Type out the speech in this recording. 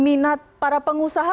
minat para pengusaha